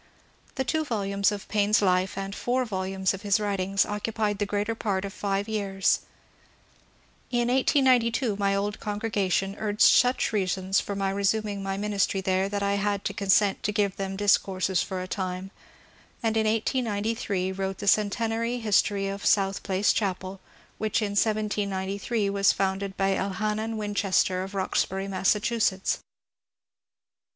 The two volumes of Paine's life and four volumes of his writings occupied the greater part of five years. In 1892 my old congr^ation urged such reasons for my resuming my ministry there that I had to consent to give them discourses for a time, and in 1893 wrote the " Centenary History of South Place Chapel," — which in 1793 was founded by Elhanan Winchester of Box bury, Massachusetts.